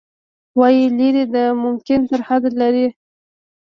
وايي، لیرې د ممکن ترحده لیرې